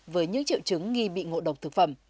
với những triệu chứng nghi bị ngộ độc thực phẩm